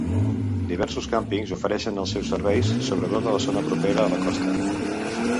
Diversos càmpings ofereixen els seus serveis, sobretot a la zona propera a la costa.